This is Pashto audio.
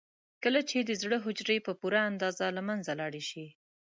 کله چې د زړه حجرې په پوره اندازه له منځه لاړې شي.